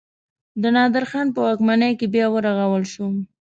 د نادر خان په واکمنۍ کې بیا ورغول شو.